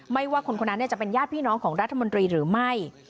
ว่าคนคนนั้นจะเป็นญาติพี่น้องของรัฐมนตรีหรือไม่